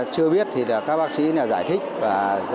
chưa biết thì các bác sĩ giải thích và do rõ